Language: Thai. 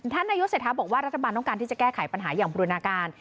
นายกเศรษฐาบอกว่ารัฐบาลต้องการที่จะแก้ไขปัญหาอย่างบูรณาการ